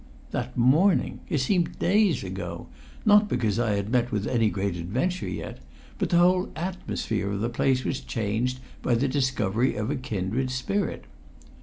That morning! It seemed days ago, not because I had met with any great adventure yet, but the whole atmosphere of the place was changed by the discovery of a kindred spirit.